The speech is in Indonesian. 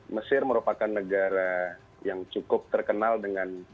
mesir merupakan negara yang cukup terkenal dengan